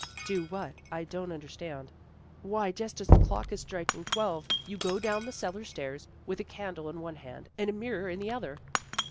" Do what? I don't understand." " Why, just as the clock is striking twelve, you go down the cellar stairs, with a candle in one hand and a mirror in the other."